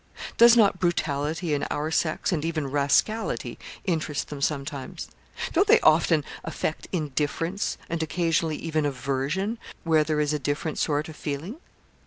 Does not brutality in our sex, and even rascality, interest them sometimes? Don't they often affect indifference, and occasionally even aversion, where there is a different sort of feeling?